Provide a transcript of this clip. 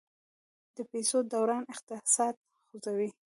د پیسو دوران اقتصاد خوځوي.